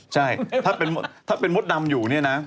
ใช่ถ้าเป็นมดดำอยู่เนี่ยนะ